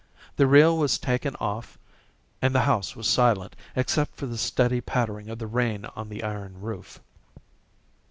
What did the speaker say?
The reel was taken off and the house was silent except for the steady pattering of the rain on the iron roof.